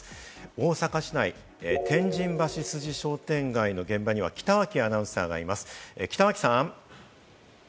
大阪市内、天神橋筋商店街の現場には北脇アナウンサーがいます、北脇さん。